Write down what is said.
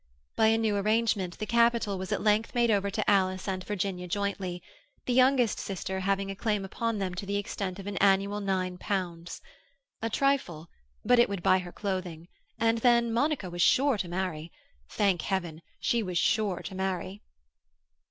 By a new arrangement, the capital was at length made over to Alice and Virginia jointly, the youngest sister having a claim upon them to the extent of an annual nine pounds. A trifle, but it would buy her clothing—and then Monica was sure to marry. Thank Heaven, she was sure to marry!